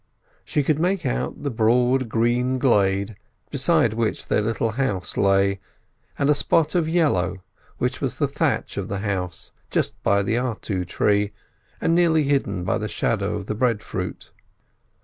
She could make out the broad green glade beside which their little house lay, and a spot of yellow, which was the thatch of the house, just by the artu tree, and nearly hidden by the shadow of the breadfruit.